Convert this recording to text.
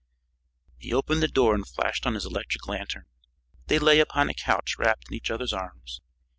He opened the door and flashed on his electric lantern. They lay upon a couch wrapped in each other's arms.